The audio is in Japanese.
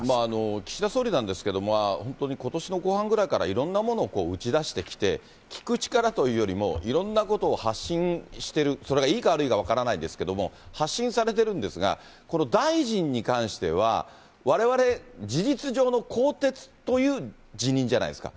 岸田総理なんですけれども、本当にことしの後半ぐらいから、いろんなものを打ち出してきて、聞く力というよりも、いろんなことを発信してる、それがいいか悪いか分からないんですけども、発信されてるんですが、この大臣に関しては、われわれ、事実上の更迭という辞任じゃないですか。